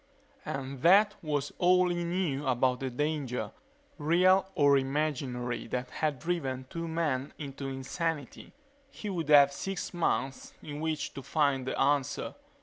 And that was all he knew about the danger, real or imaginary, that had driven two men into insanity. He would have six months in which to find the answer.